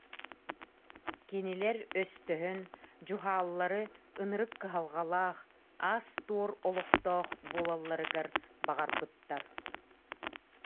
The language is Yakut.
Кинилэр өстөһөн Дьуһааллары ынырык кыһалҕалаах, аас-туор олохтоох буолалларыгар баҕарбыттар